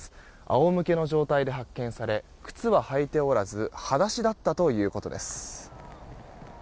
仰向けの状態で発見され靴は履いておらず裸足だったということです。